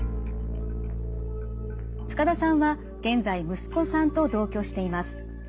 塚田さんは現在息子さんと同居しています。